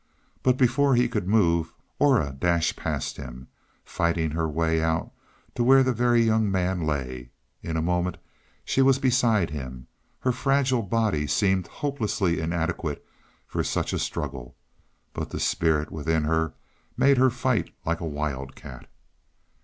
But before he could move, Aura dashed past him, fighting her way out to where the Very Young Man lay. In a moment she was beside him. Her fragile body seemed hopelessly inadequate for such a struggle, but the spirit within her made her fight like a wild cat.